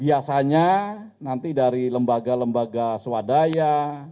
biasanya nanti dari lembaga lembaga swadaya